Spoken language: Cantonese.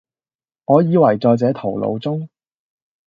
我以爲在這途路中，